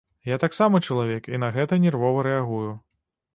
Я таксама чалавек і на гэта нервова рэагую.